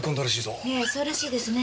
ええそうらしいですね。